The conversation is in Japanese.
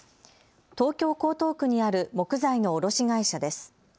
東京・江東区にある木材の卸会社です。